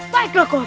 baiklah kau berkata